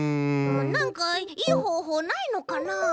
なんかいいほうほうないのかな？